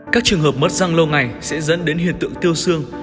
các trường hợp mất xăng lâu ngày sẽ dẫn đến hiện tượng tiêu xương